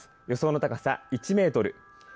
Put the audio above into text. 予想の高さ１メートル。